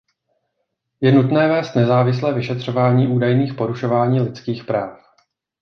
Je nutné vést nezávislé vyšetřování údajných porušování lidských práv.